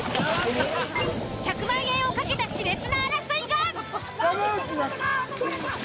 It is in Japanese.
１００万円をかけた熾烈な争いが。